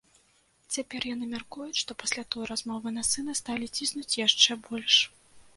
Цяпер яны мяркуюць, што пасля той размовы на сына сталі ціснуць яшчэ больш.